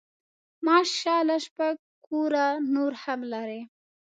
ماشاء الله شپږ کوره نور هم لري.